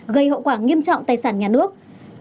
gây hậu quả nghiêm trọng tài sản nhà nước